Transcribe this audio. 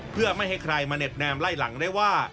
เพื่อไม่ให้ใครมาเน็บแนมไล่หลังได้ว่า